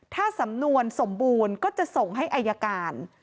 ถ้าสำนวนสมบูรณ์ก็จะส่งให้อายการ